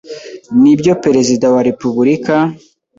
Ni byo Perezida wa Repubulika,